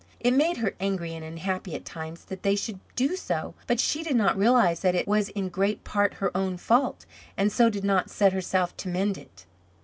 It made her angry and unhappy at times that they should do so, but she did not realize that it was in great part her own fault, and so did not set herself to mend it.